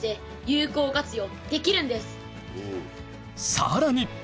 さらに！